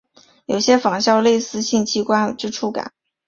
有些仿效类似性器官之触感。